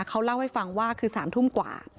เขาเล่าให้ฟังว่าคือ๓ทุ่มกว่า